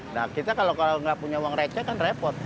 nah kita kalau nggak punya uang receh kan repot